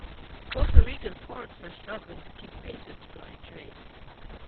Costa Rica's ports are struggling to keep pace with growing trade.